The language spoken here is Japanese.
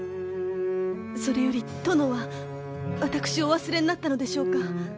それより殿は私をお忘れになったのでしょうか。